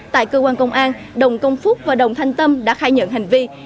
tại cơ quan công an đồng công phúc và đồng thanh tâm đã khai nhận hành vi